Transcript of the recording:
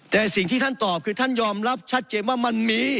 แต่สิ่งที่ท่านตอบคือท่านยอมรับชัดเจนว่ามันมี